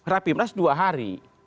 rapimnas dua hari